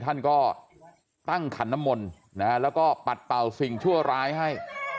ท่านก็ตั้งขันน้ำมนต์แล้วก็ปัดเป่าสิ่งชั่วร้ายให้